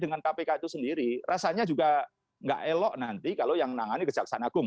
dan yang terkait dengan kpk itu sendiri rasanya juga tidak elok nanti kalau yang menangani kejaksanagung